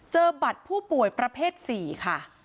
เจอบัตรผู้ป่วยประเภท๔ค่ะ